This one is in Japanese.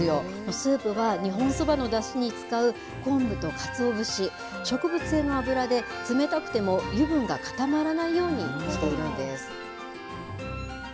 スープは、日本そばのだしに使う昆布とかつお節、植物性の油で、冷たくても油分が固まらないようにしているんです。